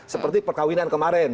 seperti perkawinan kemarin